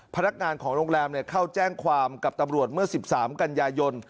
พนักงานของโรงแรมเข้าแจ้งความกับตำรวจเมื่อ๑๓กันยายน